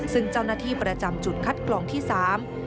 ซึ่งเจ้าหน้าที่ประจำจุดคัดกรองที่สาม